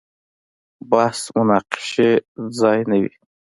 بحث مناقشې ځای نه وي.